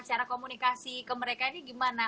cara komunikasi ke mereka ini gimana